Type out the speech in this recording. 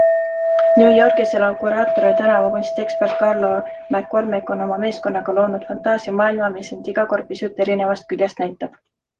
New Yorgis elav kuraator ja tänavakunstiekspert Carlo McCormic on oma meeskonnaga loonud fantaasiamaailma, mis end iga kord pisut erinevast küljest näitab.